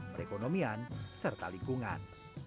perekonomian serta lingkungan